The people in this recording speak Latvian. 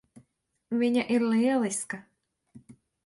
Viņa ir lieliska.